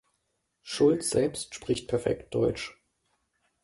Schulz selbst spricht perfekt Deutsch.